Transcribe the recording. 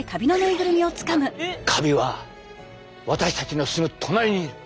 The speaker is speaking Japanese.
カビは私たちのすぐ隣にいる。